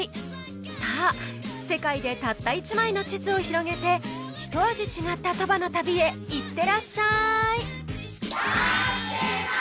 さあ世界でたった１枚の地図を広げてひと味違った鳥羽の旅へいってらっしゃい！